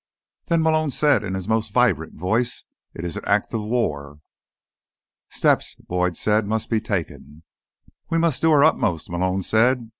"Then," Malone said in his most vibrant voice, "it is an Act of War." "Steps," Boyd said, "must be taken." "We must do our utmost," Malone said.